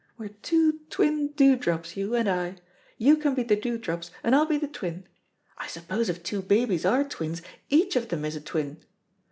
We're two twin dewdrops, you and I; you can be the dewdrops, and I'll be the twin. I suppose if two babies are twins, each of them is a twin.